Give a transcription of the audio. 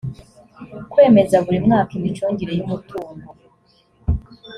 kwemeza buri mwaka imicungire y umutungo